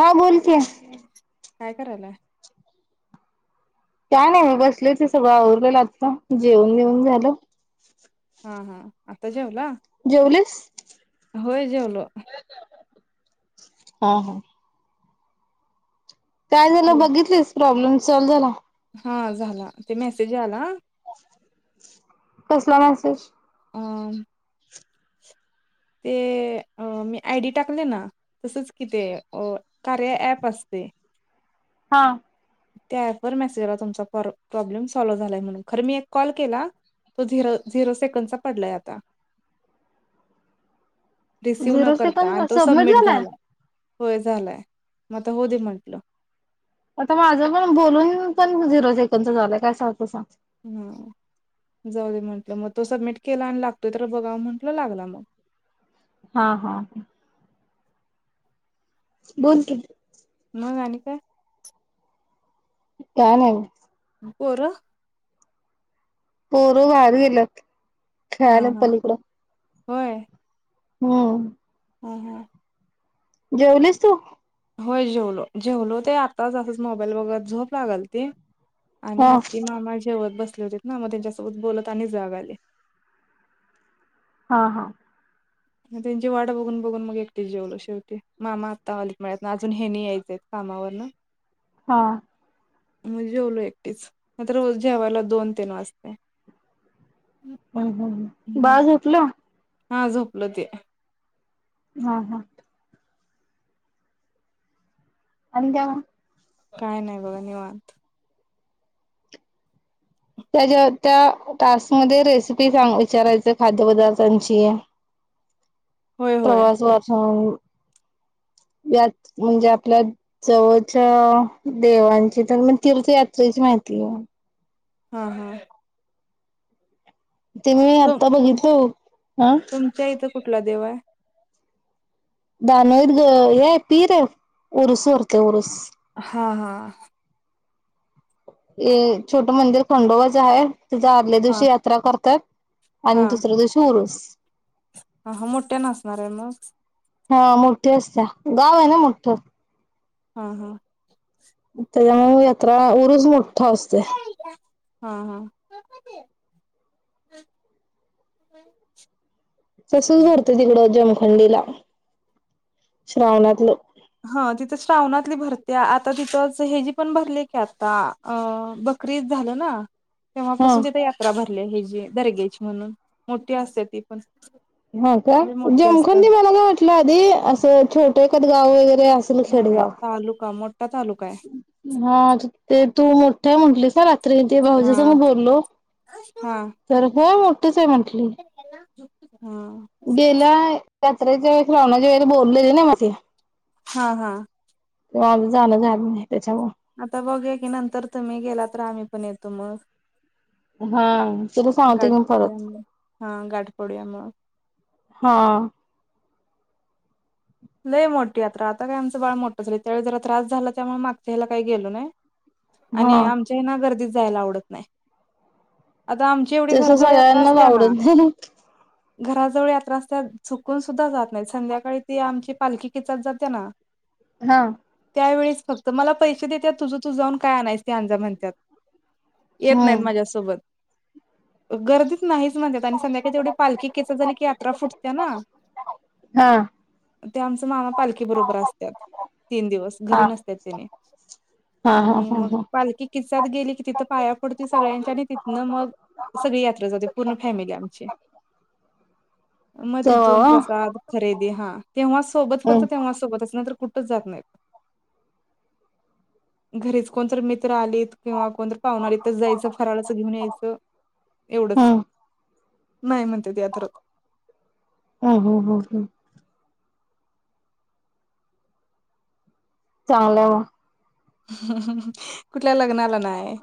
हा बोल की काय करायलाय काय नाही मी बसले ते सगळं आवरलेलं आता जेवन बिवन झालं हा हा आता जेवला, जेवलीस होय जेवलो. हा हा, काय झालं हम्म. बघितलीस. प्रॉब्लेम सॉल्व झाला. हा झाला ते मेसेज आला,. कसला मेसेज. अम्म. ते मी आयडी टाकले ना तसच कि ते कार्य ऍप असतय हा. त्या ऍप वर मेसेज आला तुमचा प्रॉब्लेम सॉल्व झालाय म्हणून खर मी एक कॉल केला तो झिरो झिरो सेकंद चा पडलाय आता. रिसीव्ह न झिरो करता सेकंड आणि तो सबमिट झालाय झाला. होय झालंय, म आता होऊदे म्हटलं. आता माझं पण बोलून पण झिरो सेकडच झालंय, काय सांगती सांग. हा जाऊदे म्हंटलं मग तो सबमिट केला आणि लागतोय तर बघा म्हंटल लागला मग. हा हा. बोल की. मग आणि काय काय नाही. पोरं. पोर बाहेर गेल्यात. खेळायलान पलीकडं. व्हय. हम्म. ह ह. जेवलीस तू. होय जेवलो जेवलो ते आता असच मोबाईल बगत झोप लागालती. आणि हा आत्ती मामा जेवत बस ली होती ना मग त्यांच्यासोबत बोलत आणि जाग आली. हा हा. मग त्यांची वाट बघून बघून मग एकटी जेवलो शेवटी मामा आत्ता आलीत मिळ्यातन अजून हेनी यायचेत कामावरन. हा. मग जेवलो एकटीच नाहीतर रोज जेवायला दोन तीन वाजते. हम्म हम्म बाळ झोपल. हा झोपलं ते. हा हा. आणि काय मग. काय नाही बघा निवांत. त्याच्या त्या टास्क मध्ये रेसिपी सांग विचारायच खाद्यपदार्थांची होय होय प्रवास वाचुन या म्हणजे आपल्या जवळच्या देवांची तर म तीर्थयात्रेची माहिती घेऊ. ह ह. ते मी तुम आता तुम बघितलो. हा. तुमच्या इथं कुठला देव आहे [unintelligible] हा हा. ये छोटं मंदिर खंडोबाच हाये. तिथ आदल्या हा दिवशी यात्रा करतात. आणि दुसऱ्या दिवशी उरूस. अ आ हा मोठ्यान आसणार आहे मग? हा मोठ्ठी आसते. गाव आहे ना मोठं. हा हा. त्र उरुस मोठ्ठ हो असतय. हा हा [inaudible] तसंच भरतं तिकडं जम थंडीला, श्रावणातलं. ह तिथं श्रावणातली भरते. आता तिथंच हेजी पण भरली की आता अ बकरी ईद झालं ना. हा तेव्हापासून तिथे यात्रा भर आपल्या हे जी दर्ग्याची म्हणून. मोठी असते ती पण. हा का, लय मोठी असते जमखून त मला का म्हटलं आधी असं छोट कधी [unintelligible] नाही, नाही, तालुका मो हा ज ते तू मोठे म्हटलीसं ना रा ते भाऊजीस मी हा बोललो, हा तर होय, मोठच आहे म्हटली. हा गेल्या यात्रेच्या वेळेस [unintelligible] बोलले ना [unintelligible] हा हा. [unintelligible] झालं नाही त्याच्यामुळे. आता बघूया की, नंतर तुम्ही गेला तर आम्ही पण येतो मग हा तुला सांगते गाठ मी परत पडयामुळे. हा गाठ पड्यामु हा आ. लई मोठठी यात्रा! आता काय आमचं बाळ मोठं झालं. त्यावेळी जरा त्रास झाला त्यामुळे मागच्या ह्याला काही गेलो नाही. हा आणि आमच्या ह्यांना गर्दीचा जायला आवडत नाही. आता आमची एवढी तस घराजवळ यात्रा सगळ्यांनाच असत्या ना आवडून झालं. घराजवळ यात्रा असतात. चुकून सुद्धा जात नाही. संध्याकाळी ते आमची पालखी किचात जाते ना हा. त्या वळेस फक्त मला पैसे देतात. तुझ तू जाऊन काय आणायच ते आण जा म्हनत्यात. येत नाहीत हम्म माझ्यासोबत. गर्दीच नाही म्हणत्यात आणि संध्याकाळी तेवढी पालखी [unintelligible] झाली की [unintelligible] ना हा. ते आमचं मामा पालखी बरोबर असत्यात. तीन दिवस घरी हा नसत्यात, तेनी हा हा आणि हा मग हा पालखी कि त्यात गेलं, की तिथं पाया पडते. सगळ्यांच्या आणि तिथनं मग सगळी यात्रा जातो, पूर्ण फॅमिली आमची. मग तिथून तेव्हा प्रसाद खरेदी हां तेव्हा सोबत फक्त हम् तेव्हा सोबतच नंतर कु कुठचं जात नाहीत, घरीचं कोण तर मित्र मित्र आलीत, किंवा कोण तर पाहुणं आलीत, तर जायचं फराळाचं घेऊन यायचं एवढंच. हम् नाही म्हणत्यात यात्रत हम् हम् हम् हम् चांगली व्हं कुठल्या लग्नाला नाही.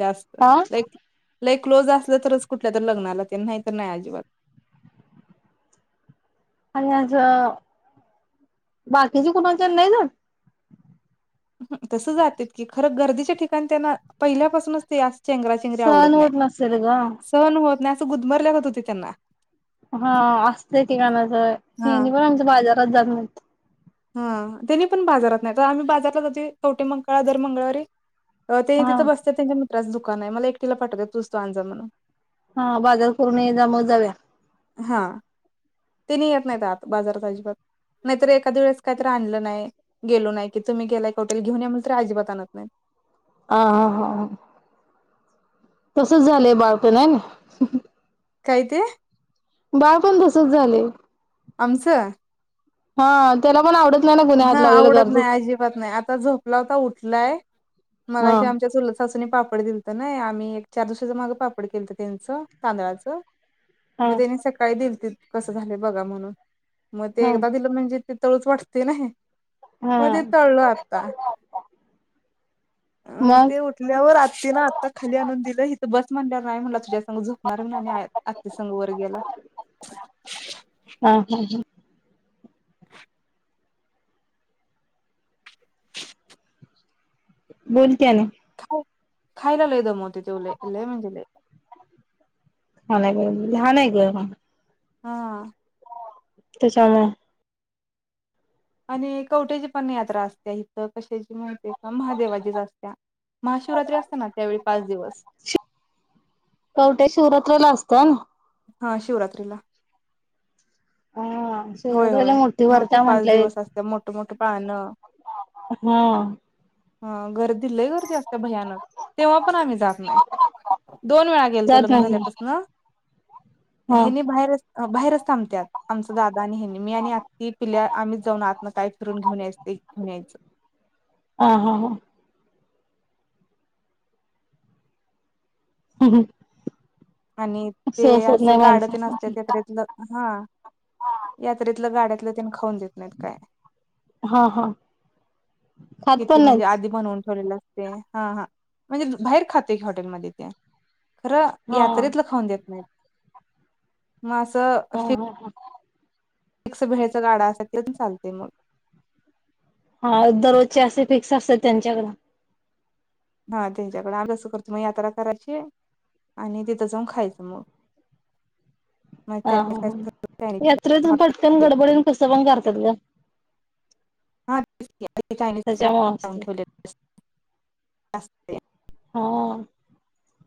जास्त हा लाईक लई क्लोज असलं तरचं, कुठल्या तर लग्नाला तेण नाही तर नाही अजिबात. आणि असं बाकिच्या कोणाच्यात नाही जातं. तसं जात्यात की खरं गर्दीच्या ठिकाणी त्यांना पहिल्या पासूनचं ते असं चेंगराचेंगरी आवडत, सहन नाही होत नसेल ग सहन होत नाही असं असं गुदमरल्यागंत होतंय त्यांना. हा असतंय एकेकांना असं हा हेणी पण आमचं बाजारात जातं नाही. हा त्यांनी पण बाजारात नाही जात. आम्ही बाजारला जातोय कवठेमहांकाळला दर मंगळावारी अ ते हा तिथं बसतात, त्यांच्या मि [unintelligible] दुकान आहे मला एकटीला पाठवतात. तूझं तू आणजा म्हणून. हा बाजार करून ये जा म जावूया? हा तेणी येत नाहीत, आत बाजारात अजिबात नाहीतर एखाद्या वेळेस काहीतरी, आणलं नाही गेलो, नाही की तुम्ही गेलाय कवटयाला घेऊन, या म्हणंल कि अजिबात आणत नाहीत. हा हा हा तसचं झालंय बाळ पण हे नाही काय ते? बाळ पण तसचं झालेय. आमचं हा त्याला पण आवडतं हा आवडत नाही, अजिबात नाही आता झोपला होता. उठलाय हा मगाशी आमच्या चुलत सासूनी पाप पापड दिलतं नाय आम्ही एक, चार दिवसाच्या मागं पापड केलंत त्यांचं तांदळाचं-‍- हा मग तेणी सकाळी दिलतीत. कसं झालंय बघा म्हणून, मग ते हा एकदा दिलं म्हणजे, ते तळूचं वाटतंय ते नाही हा मग ते तळलो आता अ मग ते उठल्यावर आत्तीन आता खाली आणून दिलंय हिथं बस म्हणलावर नाही म्हंणला तूझाचं संग झोपणार म्हणून आ आत्ती संग वर गेला हा हा बोल की आणि खाय खायला लई दमवतोय तो लई म्हणजे लई हा नाय बई लहान हाय गं हा त्याच्यामुळ आणि कवठ्याची पण यात्रा असत्या इथं कशाची ती मोठी का महादेवाचीच असत्या महाशिवरात्री असते ना त्यावेळी पाच दिवस हा ना [unintelligible] हा शिवरात्रीला. हा होय होय शिवरात्रीला मोठी भरत्या म्हंटलंय पाळण हा हा गर्दी लय गर्दी अस ते भयानक तेव्हा पण आम्ही जात नाय दोन वेळा गेलतो जात लग्न नाही झाल्यापासन हा हेनी बाहेरच अ बाहेरच थांबत्यात आमच दात [unintelligible] ह्यांनी मी आणि आती पिल्या आम्हीच जाऊन आत न काय फिरून घेऊन यायच ते घेऊन यायच. हा हा हा [inaudible] आणि ते सोसत नाही असं गाड तेन माणसासनी असत्यात यात्रेतलं हं यात्रेतलं गाड [unintelligible] कोण देत नाहीत काय नाय हा हा खात किती पण म्हणजे नाहीत आधी बनवून ठेवलेल अस ते हा हा म्हणजे बाहेर खाते हॉटेलमध्ये ते खरं हा यात्रेतलं खाऊन देत नाहीत. मासं हा अफीक हा हा ते कस भेळचा गाडा असा तेन चालतय मग हा दररोजचे असे फिक्स असतात त्यांच्याकड हा त्यांच्याकडे आम्ही कसं करतो मग यात्रा करायची आणि तिथं जाऊन खायचं म हा हा हा यात्रेतुन पटकन गडबडीन कसं पण कर [unintelligible] [unintelligible] त्याच्यामुळे [unintelligible] असते ठेवलेत. असते. हा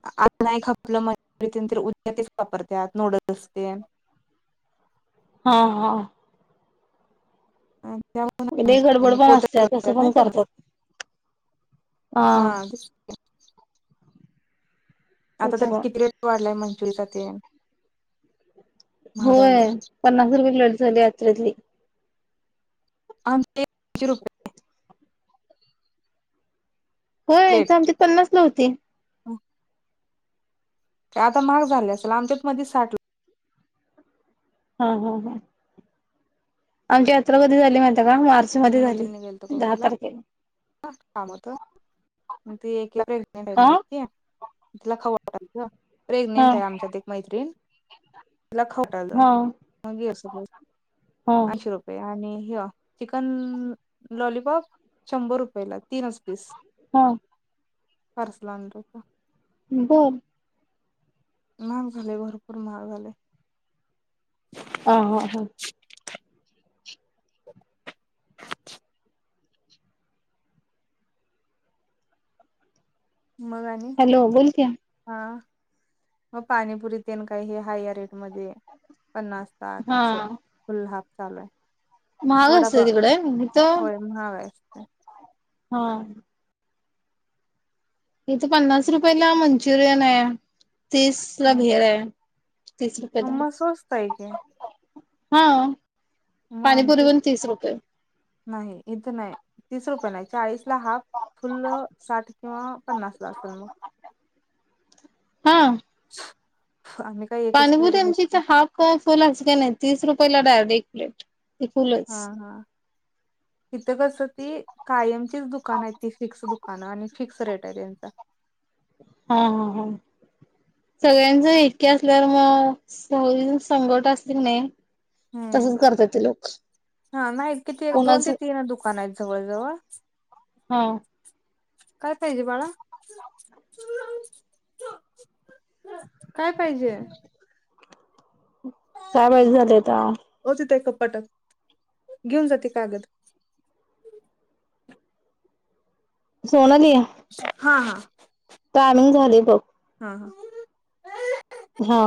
आता नाही खपलं म्हणनून उद्या तेच वापरतात नूडल्स तेन हा हा. ह. लइई गडबड पण असत्या कसं ना पण त्यानं करतात. हा. आता तर त्याच्यामुळं किती रेट वाढलाय म्हणे. ात [unintelligible] होय पन्नास रुपये एक प्लेट झाली त्यातली. आमच्या इथ आईंशी रुपये. होय इथ प्लेट आमच्यात पन्नास ला होती. आता महाग झाली असल आमच्यात मधी साठ ला हां हां हां आमची यात्रा कधी झाली माहि रा मार्च ला मध्ये झाली मैत्रिणी गेलतो दहा कवट्याला तारखेला. काम होत, म ती एक प्रेग्नेंट आहे अ ना एक ती. तिला खाऊ वाटाल त. हा प्रेग्नेंट आहे आमच्यात एक मैत्रीण, तिला खाऊ हा वाटालत. म गेलं हॅलो. हा आइंशी रुपये आणि ह्य चिकन लॉलीपॉप शंभर रुप यला तीनच इस हा पार्सल आणल हुत. बर. महाग झालय भरपूर महाग झालय. हां हां हां. मग आणि, हॅलो बोल की हा. म पाणीपुरीतेन काय हे हाय या रेट मध्ये पन्नास, साठ हा असं फुल्ल-हाफ चालू आहे. महाग वडापाव असतय तिकड, इथ होय [inaudible] हां. इथ पन्नास रुपयला मंचुरियन आहे. तीस ला भेळ आहे. आ मग सोस्त आहे की. हो. मग आमच पाणीपुरी पण तीस रुपये. नाही इथं नाही तीस रुपये नाही चाळीस आपला हाफ, फुल्ल साठ किंवा पन्नासला असेल मग. हा आम्ही काही एकच पाणीपुरी प्लेट आमची इथ घेतली हाफ फुल अस काय नाहीत. तीस रुपयेला डायरेक्ट एक प्लेट ती फूल्लच इथं कस ती कायम दुकान आहे. तिथ फिक्स दुकान हा ना आणि फिक्स रेट आहे त्यांचा हा हा हा सगळ्यांच इतके असल्यावर मग सवय संगट असले की नाही. हम्म तसंच करतात ते लोक. हा नाही किती एक दोन कोणाच ते तीन दुकान आहेत. जवळजवळ हा काय पाहिजे बाळा काय पाहिजे. काय वाइट झालं आता फाटल घेऊन जाते कागद सोलानी या हा हा डी [inaudible] ताणून झाले बघ. हा हा